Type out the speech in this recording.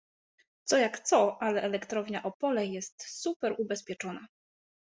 Co jak co, ale elektrownia Opole jest super ubezpieczona.